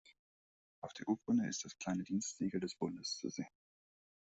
Auf der Urkunde ist das kleine Dienstsiegel des Bundes zu sehen.